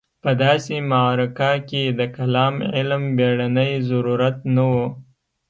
په داسې معرکه کې د کلام علم بېړنی ضرورت نه و.